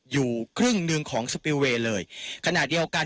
อยู่ครึ่งหนึ่งของเลยขนาดเดียวกัน